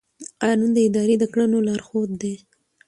قانون د ادارې د کړنو لارښود دی.